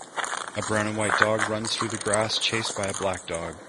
A brown and white dog runs through the grass chased by a black dog.